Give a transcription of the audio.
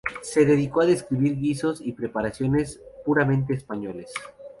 Se dedicó a describir guisos y preparaciones puramente españoles.